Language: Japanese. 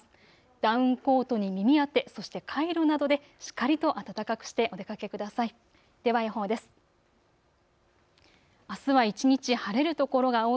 ダウンコートに耳当て、そしてカイロなどでしっかりと暖かくしてお出かけください。